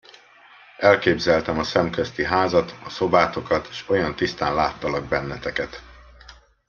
Elképzeltem a szemközti házat, a szobátokat, s olyan tisztán láttalak benneteket!